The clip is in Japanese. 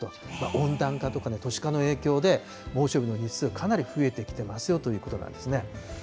温暖化とか、都市化の影響で、猛暑日の日数、かなり増えてきてますよということなんですね。